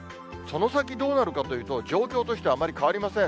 その先、どうなるかというと、状況としてはあまり変わりません。